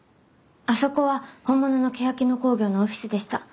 あそこは本物のけやき野興業のオフィスでした。